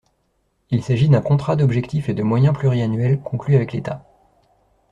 Il s'agit d'un contrat d'objectifs et de moyens pluriannuel conclu avec l'État.